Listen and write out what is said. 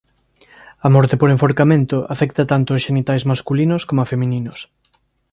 A morte por enforcamento afecta tanto aos xenitais masculinos coma femininos.